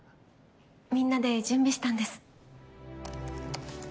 みんなで準備したんです。